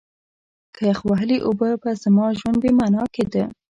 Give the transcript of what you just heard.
لکه یخ وهلې اوبه به زما ژوند بې مانا کېده.